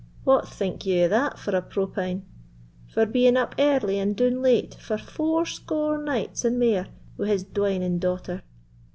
what think ye o' that for a propine?—for being up early and doun late for fourscore nights and mair wi' his dwining daughter.